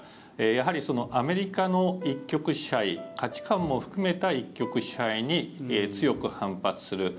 やはりアメリカの一極支配価値観も含めた一極支配に強く反発する。